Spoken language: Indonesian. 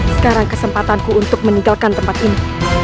sekarang kesempatanku untuk meninggalkan tempat ini